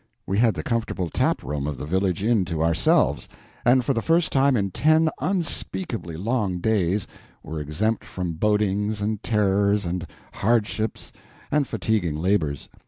We had the comfortable tap room of the village inn to ourselves, and for the first time in ten unspeakably long days were exempt from bodings and terrors and hardships and fatiguing labors.